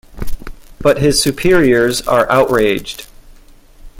But his superiors are outraged.